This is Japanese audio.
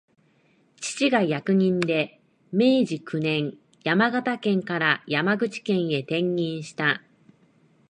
父が役人で、明治九年、山形県から山口県へ転任した